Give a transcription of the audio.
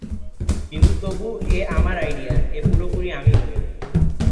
কিন্তু তবু এ আমার আইডিয়া, এ পুরোপুরি আমি নয়।